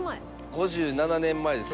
５７年前です